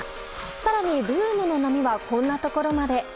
更にブームの波はこんなところまで。